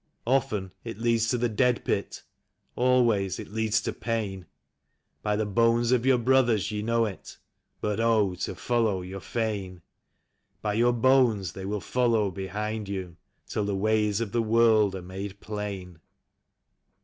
Often it leads to the dead pit ; always it leads to pain ; 24 THE LONE TRAIL. By the bones of your brothers ye know it, but oh, to follow you're fain. By your bones they ^vill follow behind you, till the ways of the world are made plain.